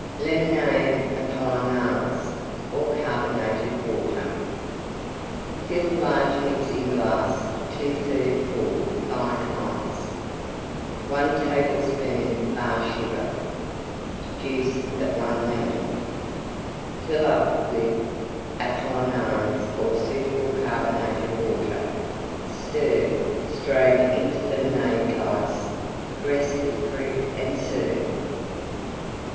LEMONADE APOLLINARIS (or Carbonated Water) Fill large Mixing glass 2/3 full fine Ice. 1 tablespoonful Bar Sugar. Juice of 1 Lemon.\s+\d\d? Fill up with Apollinaris or suitable Carbonated Water. Stir; strain into Lemonade glass; dress with Fruit and serve.